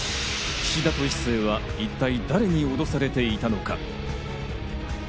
菱田と一星は一体誰に脅されていたのか。